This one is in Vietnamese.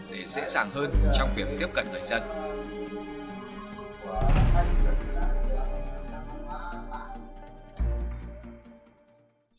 để dễ dàng hơn trong việc tiếp cận người dân